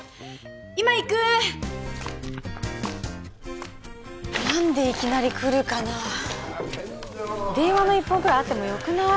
今行く何でいきなり来るかな電話の一本くらいあってもよくない？